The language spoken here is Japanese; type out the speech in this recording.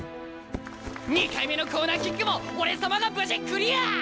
２回目のコーナーキックも俺様が無事クリア！